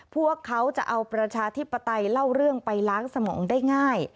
พวกเขาจะเอาประชาธิปไตยเล่าเรื่องไปล้างสมองได้ง่าย